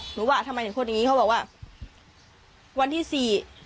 ว่าทำไมถึงพูดอย่างงี้เขาบอกว่าวันที่สี่